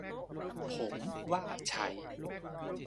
ผมว่าใช้